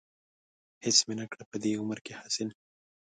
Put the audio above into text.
هېڅ مې نه کړه په دې عمر کې حاصل.